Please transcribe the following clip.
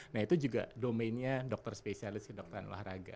nah itu juga domennya dokter spesialis ke dokteran olahraga